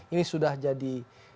ini sudah jadi